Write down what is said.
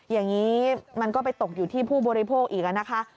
อย่างนี้มันก็ไปตกอยู่ที่ผู้บริโภคอีกนะคะ